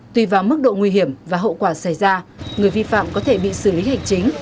tùy vào mức độ nguy hiểm và hậu quả xảy ra người vi phạm có thể bị xử lý hành chính